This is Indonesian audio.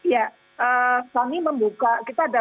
ya kami membuka kita ada